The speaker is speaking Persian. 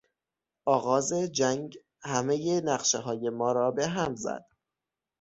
آغاز جنگ همهی نقشههای ما را به هم زد.